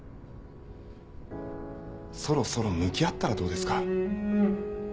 そろそろ向き合ったらどうですか。